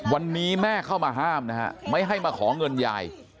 วันนี้แม่เข้ามาห้ามนะฮะไม่ให้มาขอเงินยาย